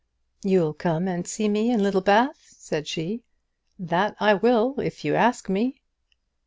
"You'll come and see me at Littlebath?" said she. "That I will if you'll ask me."